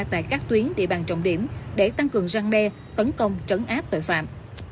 tại các tuyến địa bàn trọng điểm để tăng cường răng đe tấn công trấn áp tội phạm